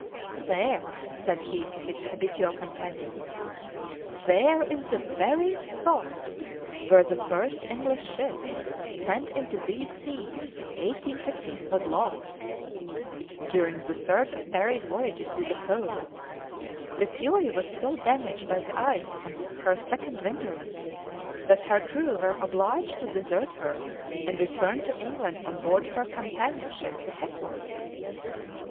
"There," said he to his habitual companion "there is the very spot where the first English ship, sent into these seas in 1815, was lost, during the third of Parry's voyages to the Pole; the Fury was so damaged by the ice on her second wintering, that her crew were obliged to desert her and return to England on board her companion ship the Hecla."